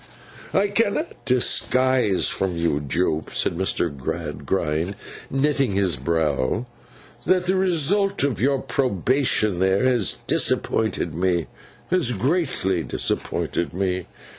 'I cannot disguise from you, Jupe,' said Mr. Gradgrind, knitting his brow, 'that the result of your probation there has disappointed me; has greatly disappointed me.